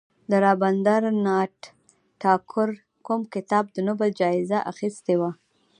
د رابندر ناته ټاګور کوم کتاب د نوبل جایزه اخیستې وه.